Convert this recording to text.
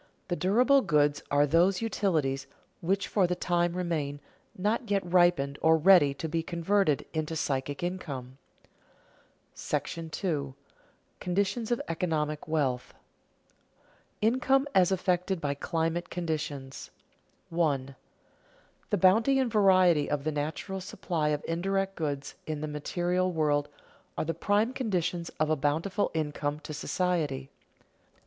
The durable goods are those utilities which for the time remain, not yet ripened or ready to be converted into psychic income. § II. CONDITIONS OF ECONOMIC WEALTH [Sidenote: Income as affected by climatic conditions] 1. _The bounty and variety of the natural supply of indirect goods in the material world are the prime conditions of a bountiful income to society.